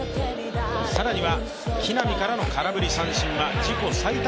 更には木浪からの空振り三振は自己最多